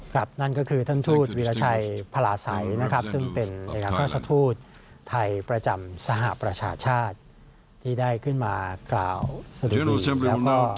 กลับนั่นก็คือท่านทูธวิราชัยพลาสัยนะครับซึ่งเป็นอย่างกับท่านทูธไทยประจำสหประชาชาที่ได้ขึ้นมากล่าวสะดุดีและว่า